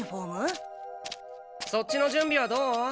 そっちの準備はどう？